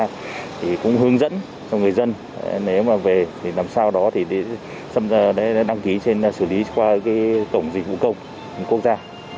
thì cũng hướng dẫn cho người dân nếu mà về thì làm sao đó thì đăng ký trên xử lý qua tổng dịch vụ công của quốc gia